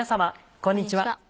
こんにちは。